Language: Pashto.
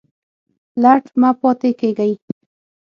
لټ مه پاته کیږئ